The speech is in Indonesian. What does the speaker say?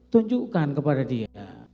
tunjukkan kepada dia